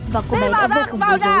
và cô bé đã vội khổng lồ dấu